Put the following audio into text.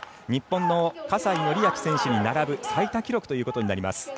日本の葛西紀明選手に並ぶ最多記録ということになります。